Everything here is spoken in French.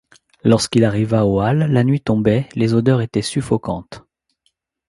Lorsqu’il arriva aux Halles, la nuit tombait, les odeurs était suffocantes.